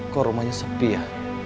kok rumahnya sepi ya